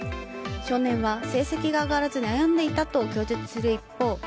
少年は成績が上がらず悩んでいたと供述する一方